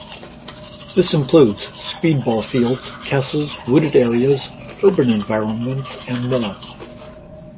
This includes speed ball fields, castles, wooded areas, urban environments, and more.